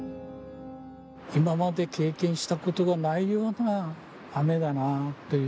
今まで経験したことがないような雨だなっていう。